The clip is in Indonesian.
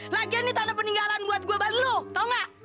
lagian ini tanah peninggalan buat gue baru dulu tau gak